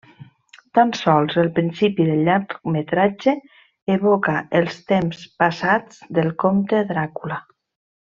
Tan sols el principi del llargmetratge evoca els temps passats del Comte Dràcula.